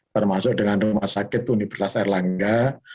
termasuk dengan rumah sakit universitas erlangga